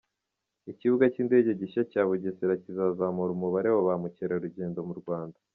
Ikibuga cy’indege gishya cya Bugesera kizazamura umubare wa ba mukerarugendo mu Rwanda.